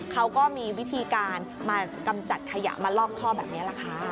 เขาก็มีวิธีการมากำจัดขยะมาลอกท่อแบบนี้แหละค่ะ